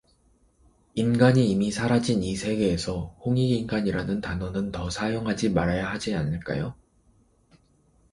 인간이 이미 사라진 이 세계에서 홍익인간이라는 단어는 더 사용하지 말아야 하지 않을까요?